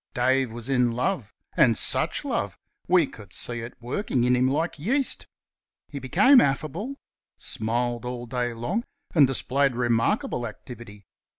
Dave was in love. And such love! We could see it working in him like yeast. He became affable smiled all day long and displayed remarkable activity.